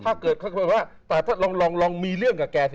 ถ้าเกิดเขาก็คิดว่าแต่ลองมีเรื่องกับแกสิ